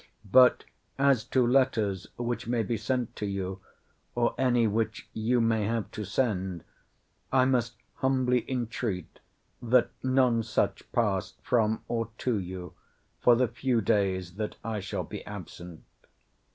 But, as to letters which may be sent you, or any which you may have to send, I must humbly entreat, that none such pass from or to you, for the few days that I shall be absent.